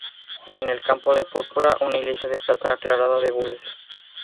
En el campo de púrpura una iglesia de plata aclarada de gules.